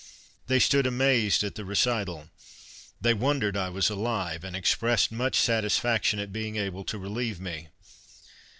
They stood amazed at the recital; they wondered I was alive, and expressed much satisfaction at being able to relieve me.